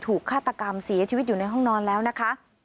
ฆาตกรรมเสียชีวิตอยู่ในห้องนอนแล้วนะคะ